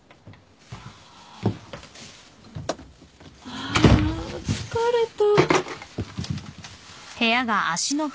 あ疲れた。